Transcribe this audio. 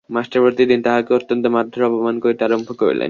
Master প্রতিদিন তাহাকে অত্যন্ত মারধোর অপমান করিতে আরম্ভ করিলেন।